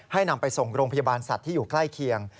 นำไปส่งโรงพยาบาลสัตว์ที่อยู่ใกล้เคียง